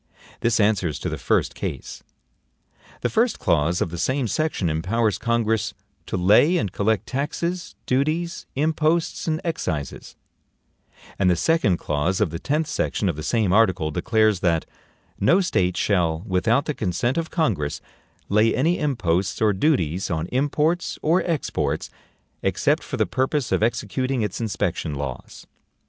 This answers to the first case. The first clause of the same section empowers Congress "to lay and collect taxes, duties, imposts and excises"; and the second clause of the tenth section of the same article declares that, "NO STATE SHALL, without the consent of Congress, lay any imposts or duties on imports or exports, except for the purpose of executing its inspection laws."